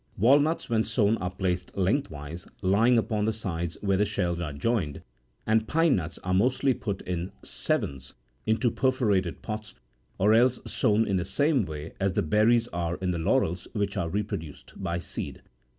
Walnuts when sown are placed lengthwise,34 lying upon the sides where the shells are joined; and pine nuts are mostly put, in sevens, into perforated pots, or else sown in the same way as the berries are in the laurels which are re produced by seed.